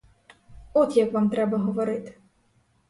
От як вам треба говорити!